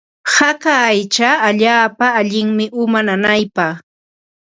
Haka aycha allaapa allinmi uma nanaypaq.